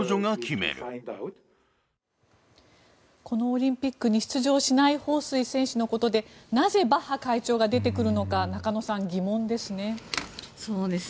このオリンピックに出場しないホウ・スイ選手のことでなぜ、バッハ会長が出てくるのか中野さん、疑問ですね。